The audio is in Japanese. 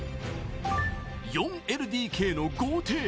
４ＬＤＫの豪邸。